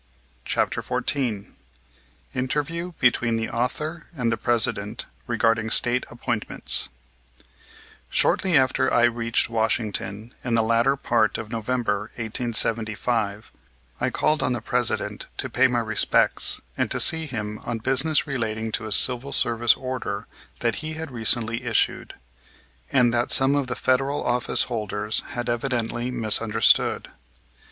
CHAPTER XIV INTERVIEW BETWEEN THE AUTHOR AND THE PRESIDENT REGARDING STATE APPOINTMENTS Shortly after I reached Washington in the latter part of November, 1875, I called on the President to pay my respects, and to see him on business relating to a Civil Service order that he had recently issued, and that some of the Federal office holders had evidently misunderstood.